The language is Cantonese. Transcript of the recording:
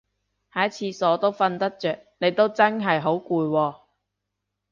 喺廁所都瞓得着你都真係好攰喎